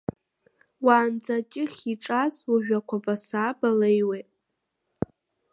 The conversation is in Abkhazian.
Уаанӡа аҷыхь иҿаз, уажәы ақәабаа-сабаа леиуеит.